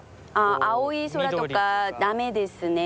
「青い空」とか駄目ですね。